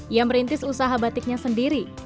ia merintis usaha batiknya sendiri